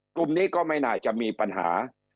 กลุ่มนี้ก็ไม่น่าจะมีปัญหา